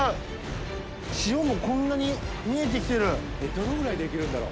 どのぐらいできるんだろう？